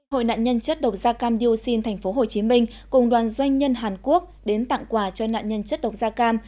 hội nạn nhân chất độc da cam dioxin tp hcm cùng đoàn doanh nhân hàn quốc đến tặng quà cho nạn nhân chất độc da cam